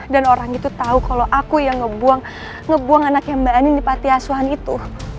dan orang itu tahu kalau aku yang ngebuang anak yang mbak anin di patiasuhan itu